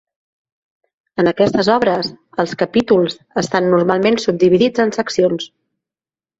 En aquestes obres, els capítols estan normalment subdividits en seccions.